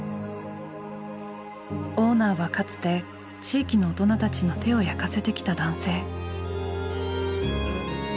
オーナーはかつて地域の大人たちの手を焼かせてきた男性。